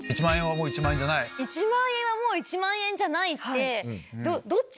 １万円はもう１万円じゃないってどっち？